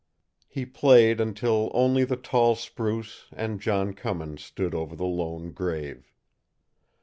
He played until only the tall spruce and John Cummins stood over the lone grave.